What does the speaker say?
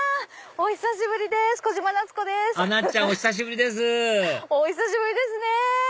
お久しぶりですお久しぶりですね！